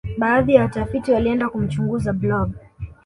baadhi ya watafiti walienda kumchunguza blob